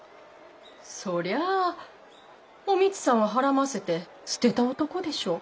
そりゃあお美津さんをはらませて捨てた男でしょ。